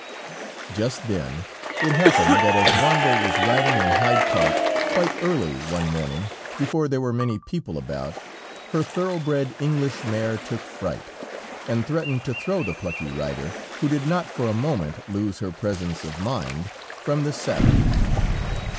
Just then it happened that as Wanda was riding in Hyde Park quite early one morning before there were many people about, her thoroughbred English mare took fright, and threatened to throw the plucky rider, who did not for a moment lose her presence of mind, from the saddle.